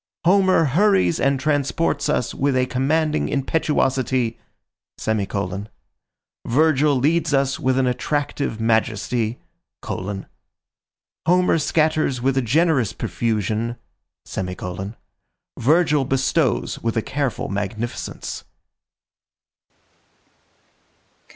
Homer hurries and transports us with a commanding impetuosity; Virgil leads us with an attractive majesty: Homer scatters with a generous profusion; Virgil bestows with a careful magnificence.